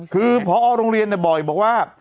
คือพอโรงเรียนบ่อยบอกว่า